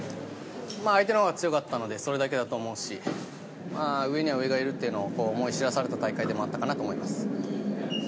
まあ、相手のほうが強かったのでそれだけだと思うし上には上がいるというのを思い知らされた大会だったかなと思います。